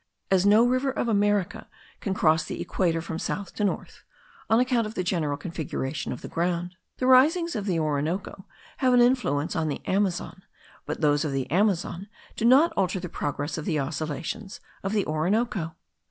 As no river of America can cross the equator from south to north, on account of the general configuration of the ground, the risings of the Orinoco have an influence on the Amazon; but those of the Amazon do not alter the progress of the oscillations of the Orinoco.